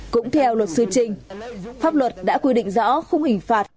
cũng theo luật sư trinh pháp luật đã quy định rõ không hình phạt